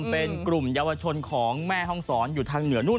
เป็นกลุ่มเยาวชนของแม่ห้องศรอยู่ทางเหนือนู่น